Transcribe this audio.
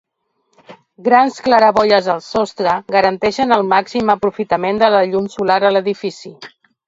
Grans claraboies al sostre garanteixen el màxim aprofitament de la llum solar a l'edifici.